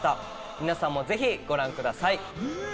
皆さんもぜひご覧ください。